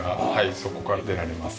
そこから出られます。